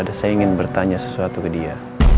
dan saya ingin bertanya sesuatu ke dia